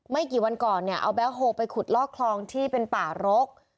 กี่วันก่อนเนี่ยเอาแบ็คโฮลไปขุดลอกคลองที่เป็นป่ารก